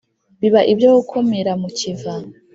Biba ibyo gukamira mu kiva